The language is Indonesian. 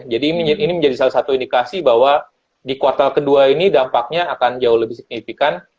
jadi ini menjadi salah satu indikasi bahwa di kuartal ke dua ini dampaknya akan jauh lebih signifikan